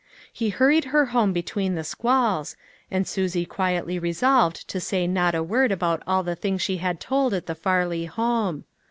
He hurried her home between the squalls, and Susie quietly resolved to say not a word about all the things she had told at the Farley home.